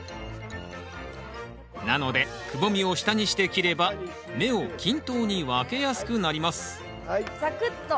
なのでくぼみを下にして切れば芽を均等に分けやすくなりますざくっと。